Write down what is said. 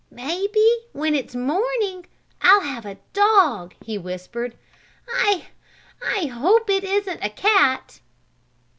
"Maybe, when it's morning, I'll have a dog," he whispered. "I I hope it isn't a cat!"